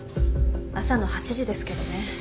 朝の８時ですけどね。